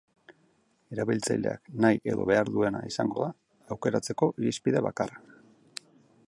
Erabiltzaileak nahi edo behar duena izango da aukeratzeko irizpide bakarra.